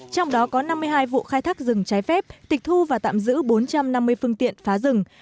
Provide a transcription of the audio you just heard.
trong đó có năm mươi hai vụ khai thác rừng trái phép tịch thu và tạm giữ bốn trăm năm mươi phương tiện phá rừng